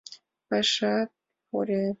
— Пашаш пурет?